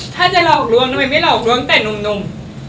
ถ้าจะหลอกลวงทำไมไม่หลอกลวงแต่หนุ่ม